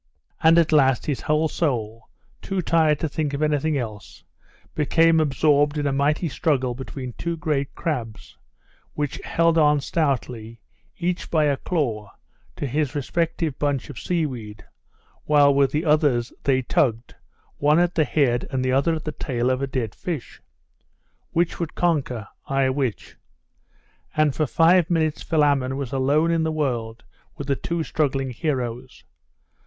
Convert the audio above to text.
And at last his whole soul, too tired to think of anything else, became absorbed in a mighty struggle between two great crabs, who held on stoutly, each by a claw, to his respective bunch of seaweed, while with the others they tugged, one at the head and the other at the tail of a dead fish. Which would conquer?.... Ay, which? And for five minutes Philammon was alone in the world with the two struggling heroes....